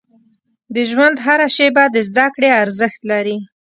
• د ژوند هره شیبه د زده کړې ارزښت لري.